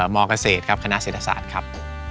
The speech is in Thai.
มเกษตรครับคณะเศรษฐศาสตร์ครับ